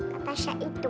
kata syah itu